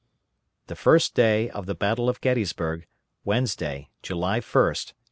THE FIRST DAY OF THE BATTLE OF GETTYSBURG, WEDNESDAY, JULY 1, 1863.